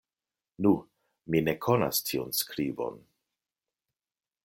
Nu! mi ne konas tiun skribon!